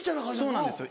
そうなんです